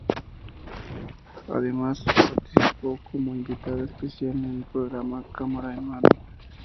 Además, participó como invitada especial en el programa "Cámara en mano".